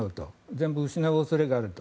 全部失う恐れがあると。